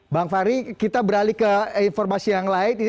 bang fahri kita beralih ke informasi yang lain